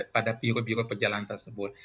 pada biru biru perjalanan tersebut